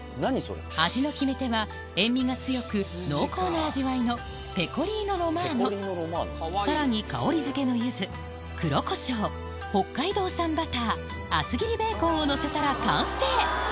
味の決め手は塩みが強く濃厚な味わいのさらに香りづけのユズ黒コショウ北海道産バター厚切りベーコンをのせたら完成！